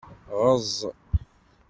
Ɣeẓẓ.